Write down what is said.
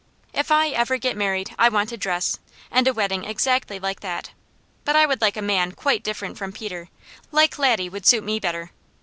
If I ever get married I want a dress, and a wedding exactly like that, but I would like a man quite different from Peter; like Laddie would suit me better.